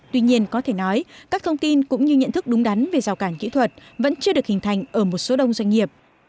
tuy nhiên có thể nói các thông tin cũng như nhận thức đúng đắn về rào cản kỹ thuật vẫn chưa được hình thành ở một số đông doanh nghiệp